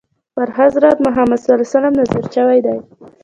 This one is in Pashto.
پر حضرت محمد ﷺ نازل شوی دی.